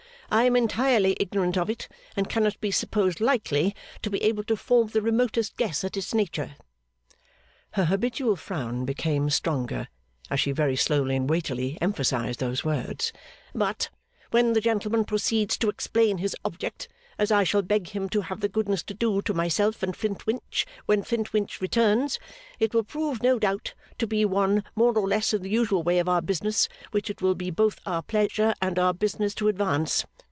I am entirely ignorant of it, and cannot be supposed likely to be able to form the remotest guess at its nature;' her habitual frown became stronger, as she very slowly and weightily emphasised those words; 'but, when the gentleman proceeds to explain his object, as I shall beg him to have the goodness to do to myself and Flintwinch, when Flintwinch returns, it will prove, no doubt, to be one more or less in the usual way of our business, which it will be both our business and our pleasure to advance.